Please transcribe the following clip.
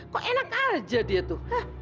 kok enak aja dia tuh